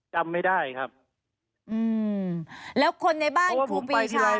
จำไม่ได้ครับอืมแล้วคนในบ้านครูปีชา